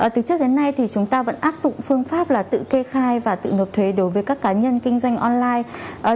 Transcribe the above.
từ trước đến nay thì chúng ta vẫn áp dụng phương pháp là tự kê khai và tự nộp thuế đối với các cá nhân kinh doanh online